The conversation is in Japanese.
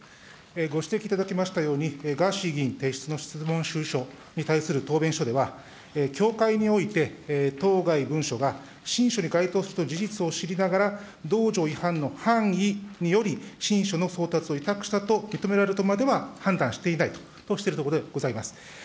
ご指摘いただきましたように、ガーシー議員提出の質問主意書では答弁書では協会において、当該文書が信書に該当するという事実を知りながら同条違反の範囲により、信書の送達を委託したと受け止められるとまでは判断していないとしているところでございます。